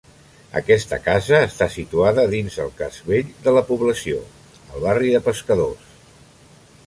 Aquesta casa està situada dins el casc vell de la població, el barri de pescadors.